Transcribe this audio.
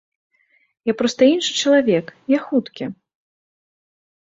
Я проста іншы чалавек, я хуткі.